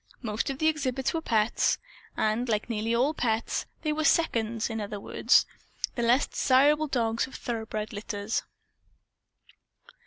Most of the exhibits were pets. And like nearly all pets, they were "seconds" in other words, the less desirable dogs of thoroughbred litters.